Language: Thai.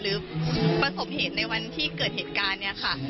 หรือประสบเหตุในวันที่เกิดเหตุการณ์เนี่ยค่ะ